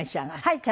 はい。